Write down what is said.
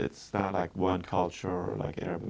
di dalam bagian pendukungnya